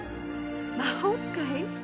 魔法使い？